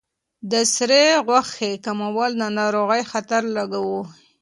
د سرې غوښې کمول د ناروغۍ خطر لږوي.